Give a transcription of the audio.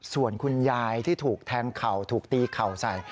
ส่วนคุณยายที่ถูกแทงเข่าถูกตีเข่าใส่